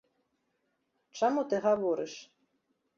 - Чаму ты гаворыш?